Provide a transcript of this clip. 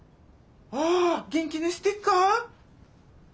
あ元気にしてっか？